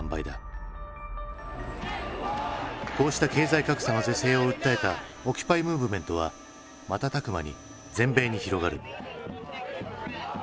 こうした経済格差の是正を訴えたオキュパイムーブメントは瞬く間に全米に広がる。